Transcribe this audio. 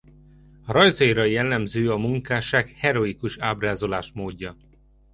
Rajzaira jellemző a munkásság heroikus ábrázolásmódja.